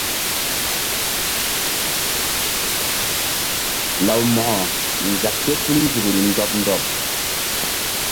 Law Mo̧ko nzek ké tul nzukri ndɔɓ ndɔɓ.